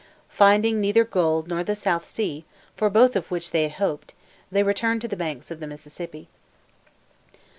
Finding neither gold nor the South Sea, for both of which they had hoped, they returned to the banks of the Mississippi.